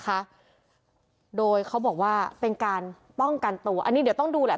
นะคะโดยเขาบอกว่าเป็นการป้องกันตัวอันนี้เดี๋ยวต้องดูแหละ